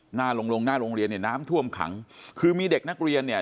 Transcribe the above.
หน้าลงลงหน้าโรงเรียนเนี่ยน้ำท่วมขังคือมีเด็กนักเรียนเนี่ย